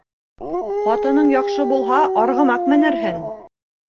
Ҡатының яҡшы булһа, арғымаҡ менерһең